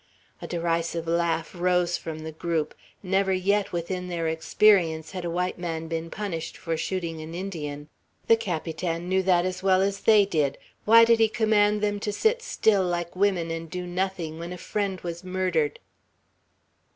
A derisive laugh rose from the group. Never yet within their experience had a white man been punished for shooting an Indian. The Capitan knew that as well as they did. Why did he command them to sit still like women, and do nothing, when a friend was murdered?